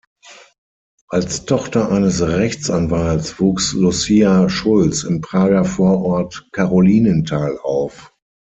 Als Tochter eines Rechtsanwalts wuchs Lucia Schulz im Prager Vorort Karolinenthal auf.